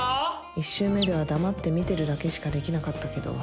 １周目では黙って見てるだけしかできなかったけど。